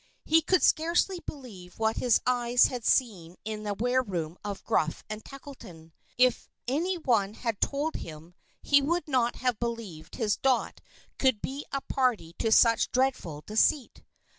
He could scarcely believe what his eyes had seen in the wareroom of Gruff and Tackleton. If any one had told him, he would not have believed his Dot could be a party to such dreadful deceit.